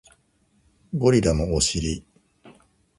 ゴリラのお尻